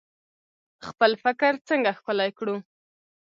خپل فکر څنګه ښکلی کړو؟